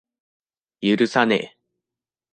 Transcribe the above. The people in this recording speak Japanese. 許さねぇ。